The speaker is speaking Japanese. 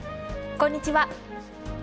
こんにちは。